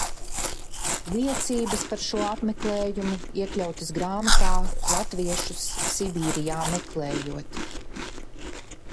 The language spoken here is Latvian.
"Liecības par šo apmeklējumu iekļautas grāmatā "Latviešus Sibīrijā meklējot"."